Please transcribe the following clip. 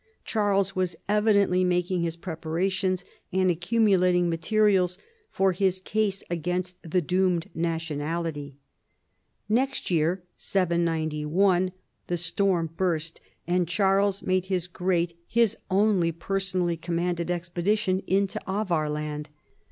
Charles was evidently making his preparations and accumulating materials for his case against the doomed nationality. Next year, 791, the storm burst, and Charles made his great, his only personally commanded ex pedition, into Avar land.